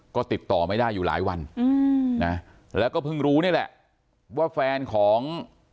ก็ติดต่อไม่ได้อยู่หลายวันอืมนะแล้วก็เพิ่งรู้นี่แหละว่าแฟนของ